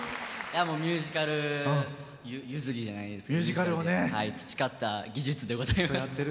ミュージカル譲りじゃないですけどミュージカルで培った技術でございます。